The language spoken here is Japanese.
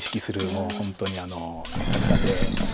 もう本当に間柄で。